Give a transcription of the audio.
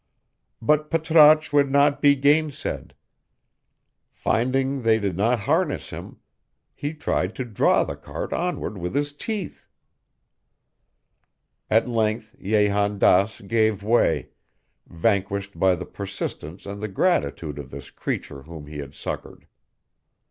But Patrasche would not be gainsaid: finding they did not harness him, he tried to draw the cart onward with his teeth. At length Jehan Daas gave way, vanquished by the persistence and the gratitude of this creature whom he had succored.